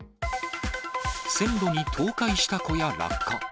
線路に倒壊した小屋、落下。